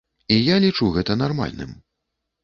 І я лічу гэта нармальным.